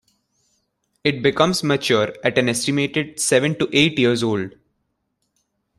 It becomes mature at an estimated seven to eight years old.